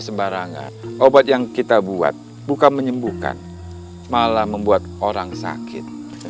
sembarangan obat yang kita buat bukan menyembuhkan malah membuat orang sakit